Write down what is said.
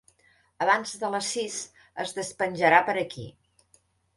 Abans de les sis es despenjarà per aquí.